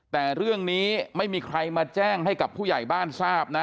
แต่เรื่องนี้ไม่มีใครมาแจ้งให้กับผู้ใหญ่บ้านทราบนะ